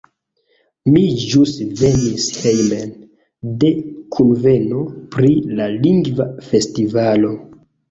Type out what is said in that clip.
Mi ĵus venis hejmen, de kunveno pri la Lingva Festivalo.